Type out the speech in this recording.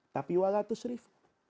tapi walau itu serif